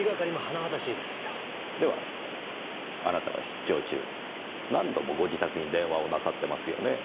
ではあなたは出張中何度もご自宅に電話をなさってますよねぇ。